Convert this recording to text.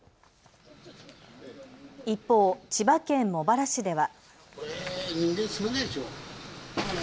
一方、千葉県茂原市では。